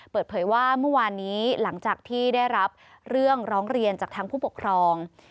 เปิดเผยว่าเมื่อวานนี้หลังจากที่ได้รับเรื่องร้องเรียนจากทางผู้ปกครอง